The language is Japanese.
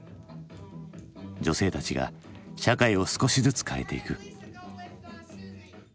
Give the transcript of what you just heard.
女性たちが社会を少しずつ変えていく。